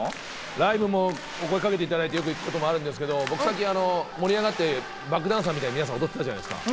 ライブも声かけていただいて行くことあるんですが、最近、盛り上がっ、バックダンサーさん踊ってたじゃないですか？